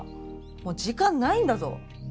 もう時間ないんだぞ